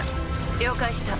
了解した。